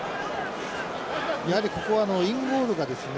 やはりここはインゴールがですね